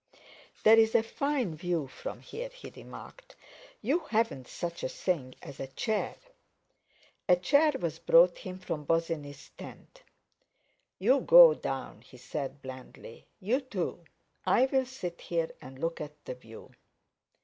"There's a fine view from here," he remarked; "you haven't such a thing as a chair?" A chair was brought him from Bosinney's tent. "You go down," he said blandly; "you two! I'll sit here and look at the view."